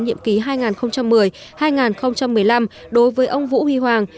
nhiệm ký hai nghìn một mươi hai nghìn một mươi năm đối với ông vũ huy hoàng